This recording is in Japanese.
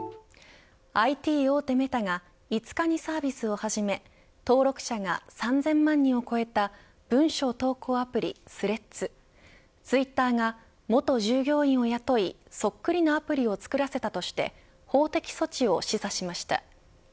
ＩＴ大手メタが５日にサービスを始め登録者が３０００万人を超えた文章投稿アプリ、スレッズツイッターが元従業員を雇いそっくりなアプリを作らせたとして法的措置を示唆しました。